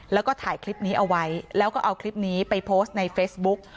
แล้วก็ถ่ายคลิปนี้เอาไว้แล้วก็เอาคลิปนี้ไปโพสต์ในเฟซบุ๊ก